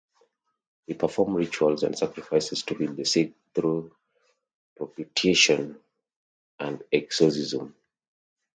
He performed rituals and sacrifices to heal the sick through propitiation and exorcism.